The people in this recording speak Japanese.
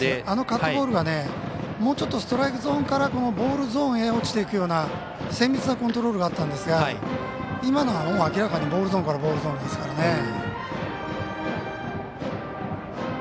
あのカットボールがもうちょっとストライクゾーンからボールゾーンへ落ちていくような精密なコントロールがあったんですが、今のは明らかにボールゾーンからボールゾーンですからね。